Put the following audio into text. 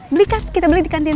beli kan kita beli di kantin